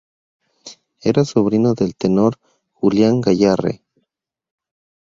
Era sobrino del tenor Julián Gayarre.